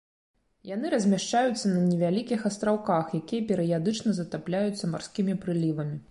Яны размяшчаюцца на невялікіх астраўках, якія перыядычна затапляюцца марскімі прылівамі.